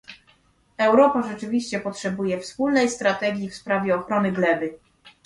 Europa rzeczywiście potrzebuje wspólnej strategii w sprawie ochrony gleby